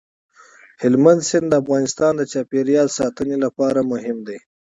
هلمند سیند د افغانستان د چاپیریال ساتنې لپاره مهم دي.